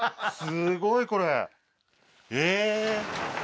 すごいこれええー